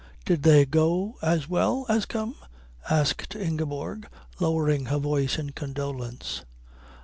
Did they go as well as come?" asked Ingeborg, lowering her voice to condolence.